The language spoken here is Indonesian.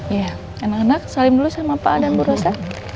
ya anak anak saling dulu sama pak dan bu rosa